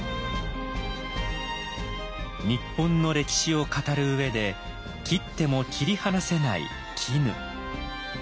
日本の歴史を語る上で切っても切り離せない絹。